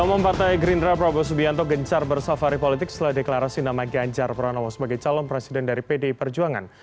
ketua umum partai gerindra prabowo subianto gencar bersafari politik setelah deklarasi nama ganjar pranowo sebagai calon presiden dari pdi perjuangan